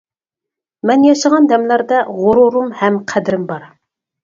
مەن ياشىغان دەملەردە غۇرۇرۇم ھەم قەدرىم بار.